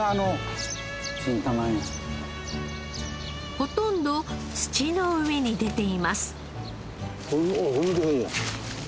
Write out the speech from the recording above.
ほとんど土の上に出ています。